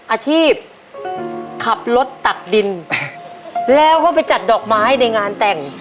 อาชีพขับรถตักดินแล้วก็ไปจัดดอกไม้ในงานแต่ง